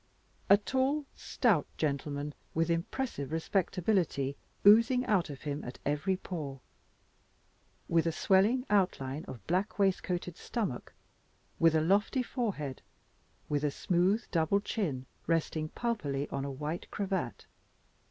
A tall stout gentleman with impressive respectability oozing out of him at every pore with a swelling outline of black waistcoated stomach, with a lofty forehead, with a smooth double chin resting pulpily on a white cravat.